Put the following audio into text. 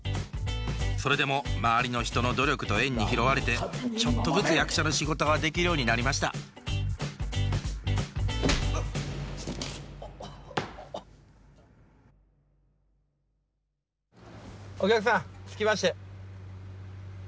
それでも周りの人の努力と縁に拾われてちょっとずつ役者の仕事ができるようになりましたお客さん着きましたよ。